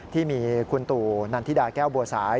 ที่มีคุณตู่นันทิดาแก้วบัวสาย